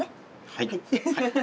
はい。